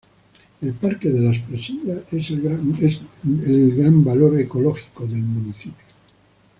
El parque de Las Presillas es el gran valor ecológico del municipio.